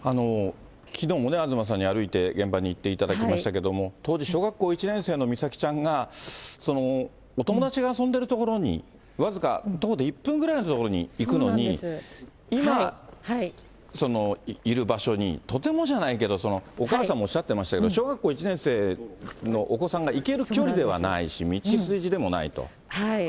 きのうもね、東さんに歩いて現場に行っていただきましたけれども、当時小学校１年生の美咲ちゃんが、お友達が遊んでいる所に、僅か徒歩で１分ぐらいの所に行くのに、今いる場所に、とてもじゃないけど、お母さんもおっしゃってましたけど、小学校１年生のお子さんが行ける距離ではないし、道筋でもないと。